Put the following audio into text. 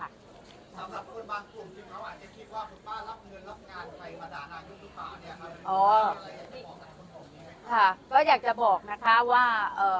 สำหรับคนบางส่วนที่เขาอาจจะคิดว่าคุณป้ารับเงินรับงานใครมาด่านายุทธุป่าเนี่ย